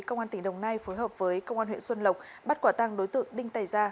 công an tỉnh đồng nai phối hợp với công an huyện xuân lộc bắt quả tăng đối tượng đinh tài gia